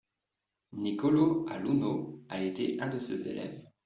Niccolò Alunno a été un de ses élèves.